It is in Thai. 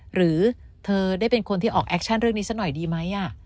หรือเธอได้เป็นคนที่ออกแอคชั่นเรื่องนี้สักหน่อยดีไหม